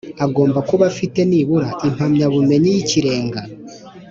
agomba kuba afite nibura impamyabumenyi yikirenga